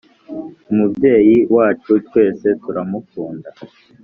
umubyeyi wacu twese turamukunda